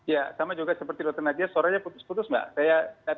ya sama juga seperti dr nadia suaranya putus putus mbak